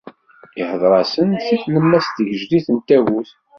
Ihder-asen-d si tlemmast n tgejdit n tagut.